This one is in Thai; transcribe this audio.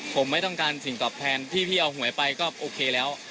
ผมไม่ต้องการสิ่งตอบแทนที่พี่เอาหวยไปก็โอเคแล้ว